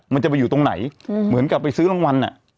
มันจะไปอยู่ตรงไหนเหมือนกับไปซื้อรางวัล